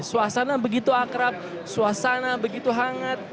suasana begitu akrab suasana begitu hangat